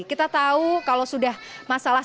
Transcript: kita tahu kalau sudah masalah